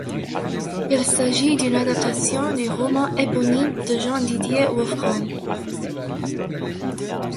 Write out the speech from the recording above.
Il s'agit d'une adaptation du roman éponyme de Jean-Didier Wolfromm.